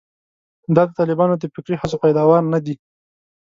دا د طالبانو د فکري هڅو پیداوار نه دي.